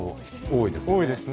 多いですね。